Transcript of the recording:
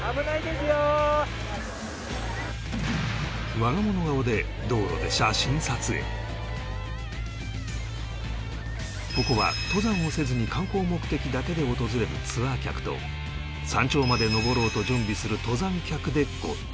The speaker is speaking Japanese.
我が物顔でここは登山をせずに観光目的だけで訪れるツアー客と山頂まで登ろうと準備する登山客でごった返す